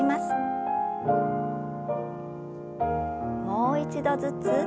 もう一度ずつ。